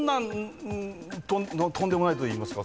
とんでもないと言いますか。